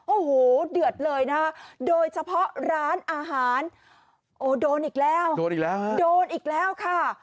โอโหเดือดเลยนะโดยเฉพาะร้านอาหารโอโดนอีกแล้วโดนอีกแล้วค่ะ